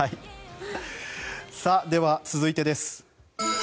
では、続いてです。